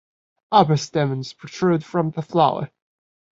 Upper stamens protrude from the flower.